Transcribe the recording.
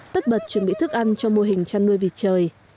tất bật chuẩn bị thức ăn cho mô hình chăn nuôi vịt trời